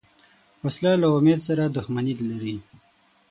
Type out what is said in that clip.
وسله له امید سره دښمني لري